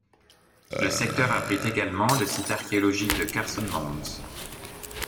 Le secteur abrite également le site archéologique de Carson Mounds.